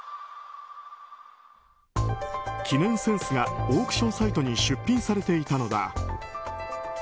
記念扇子がオークションサイトに出品されていたのだ。